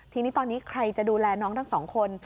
ทีนี้ตอนนี้ใครจะดูแลน้องทั้งสองคน